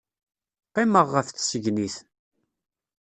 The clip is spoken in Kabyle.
Qqimeɣ ɣef tisegnit.